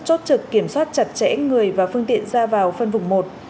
chốt trực kiểm soát chặt chẽ người và phương tiện ra vào phân vùng một